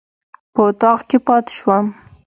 په اطاق کې پاتې شوم.